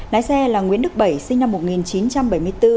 lái xe là nguyễn đức bảy sinh năm một nghìn chín trăm bảy mươi bốn